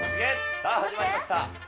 さあ、始まりました。